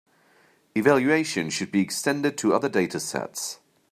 Evaluation should be extended to other datasets.